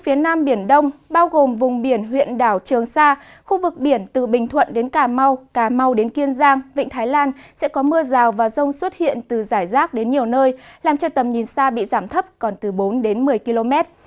trong trường xa khu vực biển từ bình thuận đến cà mau đến kiên giang sẽ có mưa rào và rông xuất hiện từ giải rác đến nhiều nơi làm cho tầm nhìn xa bị giảm thấp còn từ bốn đến một mươi km